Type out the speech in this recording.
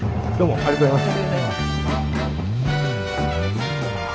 ありがとうございます。